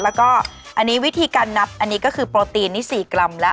แล้วก็อันนี้วิธีการนับอันนี้ก็คือโปรตีนนี่๔กรัมแล้ว